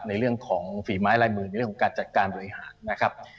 ในเรื่องของฝีไม้ลายมือในเรื่องของการจัดการบริหารนะครับ